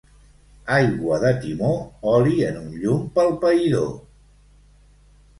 Aigua de timó, oli en un llum pel païdor.